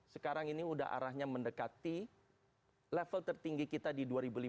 sekarang ini udah arahnya mendekati level tertinggi kita di dua ribu lima belas